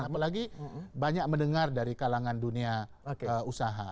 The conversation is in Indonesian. apalagi banyak mendengar dari kalangan dunia usaha